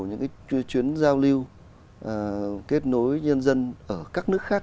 những chuyến giao lưu kết nối nhân dân ở các nước khác